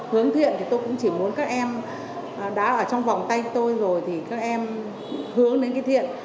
hướng thiện thì tôi cũng chỉ muốn các em đã ở trong vòng tay tôi rồi thì các em hướng đến cái thiện